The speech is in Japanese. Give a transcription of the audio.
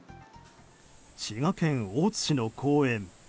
滋賀県大津市の公園。